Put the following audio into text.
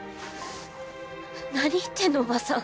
何言ってんのおばさん